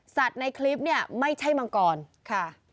สัตว์ในคลิปนี่ไม่ใช่มังกรค่ะ